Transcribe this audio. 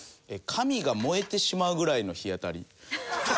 紙が燃えてしまうぐらいの日当たり。